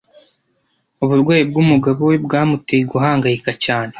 Uburwayi bw'umugabo we bwamuteye guhangayika cyane.